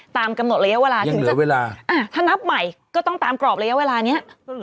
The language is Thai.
ตามกำหนดระยะเวลาถึงเหลือเวลาถ้านับใหม่ก็ต้องตามกรอบระยะเวลานี้